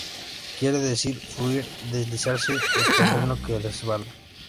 Quiere decir 'fluir', 'deslizarse' o 'terreno que resbala'.